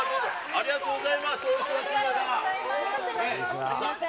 ありがとうございます。